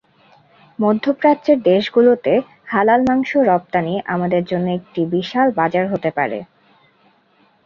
মধ্যপ্রাচ্যের দেশগুলোতে হালাল মাংস রপ্তানি আমাদের জন্য একটি বিশাল বাজার হতে পারে।